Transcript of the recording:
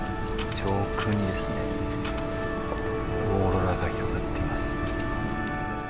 上空にオーロラが広がっています。